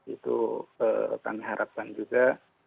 itu kami harapkan juga